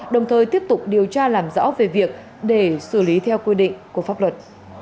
đồng thời tiếp tục điều tra làm rõ về việc để xử lý theo quy định của pháp luật